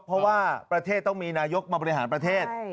เพราะว่าประเทศต้องมีนายกมาบริหารประเทศ